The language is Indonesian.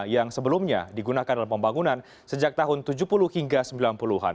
yang sebelumnya digunakan dalam pembangunan sejak tahun tujuh puluh hingga sembilan puluh an